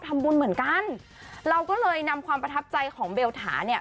ทำบุญเหมือนกันเราก็เลยนำความประทับใจของเบลถาเนี่ย